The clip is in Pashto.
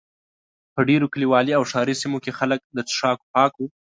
په ډېرو کلیوالو او ښاري سیمو کې خلک د څښاک پاکو.